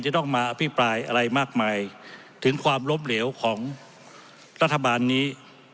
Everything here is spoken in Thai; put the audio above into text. จะต้องมาอภิปรายอะไรมากมายถึงความล้มเหลวของรัฐบาลนี้